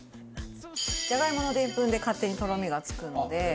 「ジャガイモのでんぷんで勝手にとろみがつくので」